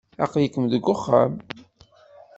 Aql-ikem deg uxxam.